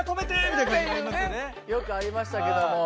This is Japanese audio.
よくありましたけども。